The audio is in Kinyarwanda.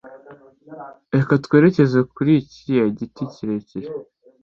reka twerekeze kuri kiriya giti kirekire